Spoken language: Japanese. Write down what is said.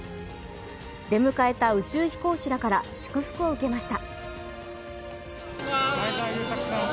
出迎えた宇宙飛行士らから祝福を受けました。